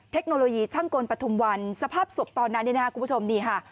เทคโนโลยีช่างกลปธุมวันสภาพสบตอนนั้นคุณผู้ชมนี่ค่ะ